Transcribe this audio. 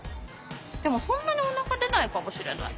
でもそんなにおなか出ないかもしれない。